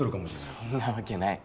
そんなわけない。